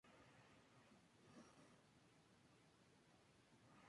El piano se convirtió en su terapeuta, era su modo de expresión.